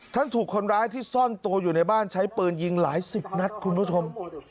ถูกคนร้ายที่ซ่อนตัวอยู่ในบ้านใช้ปืนยิงหลายสิบนัดคุณผู้ชม